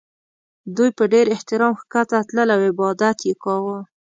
دوی په ډېر احترام ښکته تلل او عبادت یې کاوه.